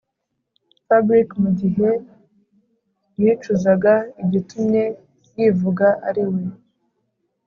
fabric mugihe yicuzaga igitumye yivuga ariwe